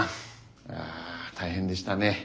あ大変でしたね。